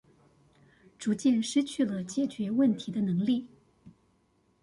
逐漸失去了解決問題的能力